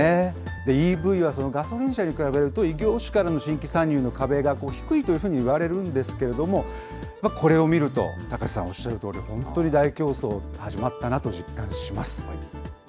ＥＶはガソリン車に比べると、異業種からの新規参入の壁が低いというふうにいわれるんですけれども、これを見ると、高瀬さんおっしゃるように本当に大競争始まったなと実感します。